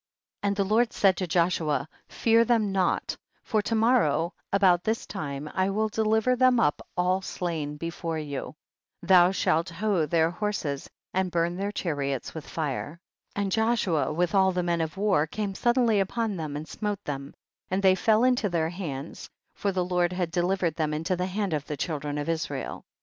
42. And the Lord said to Joshua, fear them not, for to morrow about this time I will deliver them up all slain before you, thou shall hough their horses and burn their chariots with fire. 43. And Joshua with all the men of war came suddenly upon them and smote them, and they fell into their hands, for the Lord had delivered them mto the hand of the children of Israel. 44.